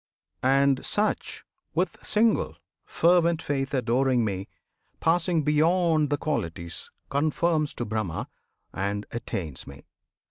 And such With single, fervent faith adoring Me, Passing beyond the Qualities, conforms To Brahma, and attains Me!